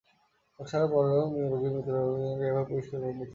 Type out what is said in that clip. রোগ সারার পরও রোগীর ব্যবহূত জিনিসপত্র এভাবে পরিষ্কার করে নিতে হবে।